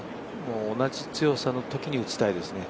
同じ強さのときに打ちたいですね。